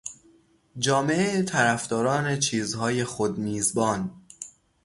جامعهٔ طرفداران چیزهای خودمیزبان.